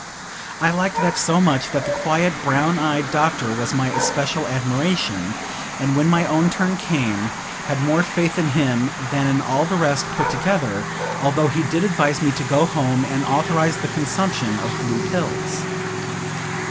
I liked that so much, that the quiet, brown eyed Doctor was my especial admiration; and when my own turn came, had more faith in him than in all the rest put together, although he did advise me to go home, and authorize the consumption of blue pills.